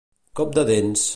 Cop de dents.